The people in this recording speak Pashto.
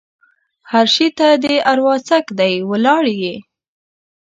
هر شي ته دې اروا څک دی؛ ولاړ يې.